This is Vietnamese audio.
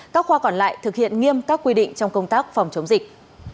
các khoa còn lại thực hiện nghiêm các quy định trong công tác phòng chống dịch